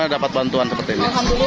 terima kasih air